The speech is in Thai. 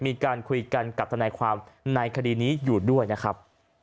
มีการคุยกันกับทนายความในคดีนี้อยู่ด้วยนะครับ